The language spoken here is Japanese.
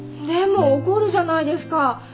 でも起こるじゃないですか。